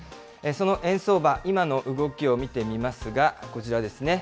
その円相場、今の動きを見てみますが、こちらですね。